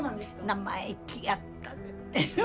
生意気やったって。